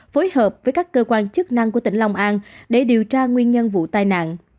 phối hợp với các cơ quan chức năng của tỉnh long an để điều tra nguyên nhân vụ tai nạn